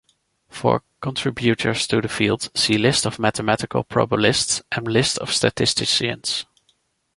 For contributors to the field, see list of mathematical probabilists and list of statisticians.